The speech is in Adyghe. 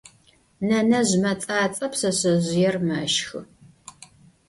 Nenezj mets'ats'e, pşseşsezjıêr meşxı.